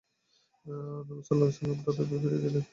আর নবী সাল্লাল্লাহু আলাইহি ওয়াসাল্লাম তাদের ফিরিয়ে দিলেন।